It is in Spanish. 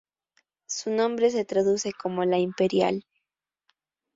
Su nombre se traduce como "la Imperial".